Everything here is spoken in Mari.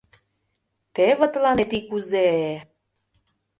— Теве тыланет и кузе!